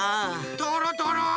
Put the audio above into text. とろとろ！